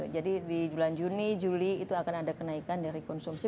jadi di bulan juni juli itu akan ada kenaikan dari konsumsi